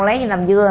lấy làm dưa